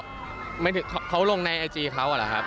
ก็ไม่รู้ว่าเขาลงในไอจีเขาหรือครับ